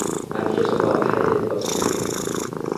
I've just about had it up to here!